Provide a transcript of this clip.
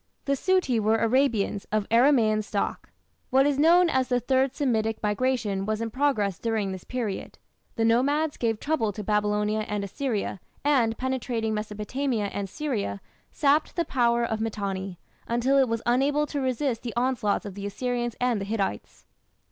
The "Suti" were Arabians of Aramaean stock. What is known as the "Third Semitic Migration" was in progress during this period. The nomads gave trouble to Babylonia and Assyria, and, penetrating Mesopotamia and Syria, sapped the power of Mitanni, until it was unable to resist the onslaughts of the Assyrians and the Hittites.